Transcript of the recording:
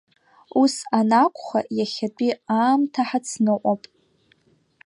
Ус анакәха иахьатәи аамҭа ҳацныҟәап!